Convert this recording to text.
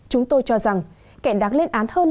chúng tôi cho rằng kẻ đáng lên án hơn